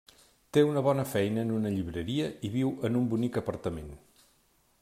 Té una bona feina en una llibreria i viu en un bonic apartament.